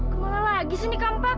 kemana lagi sini kampak